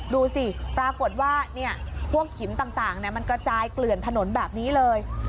ดูสิปรากฏว่าพวกหินต่างมันกระจายเกลื่อนถนนแบบนี้เลย